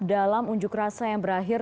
dalam unjuk rasa yang berakhir